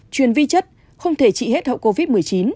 truyền vi chất không thể trị hết hậu covid một mươi chín